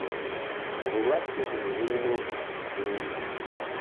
Obulwadde buno buyina obuzibu bungi.